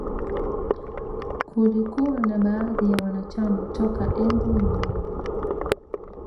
Kulikuwa na baadhi ya wanachama toka Embu na Meru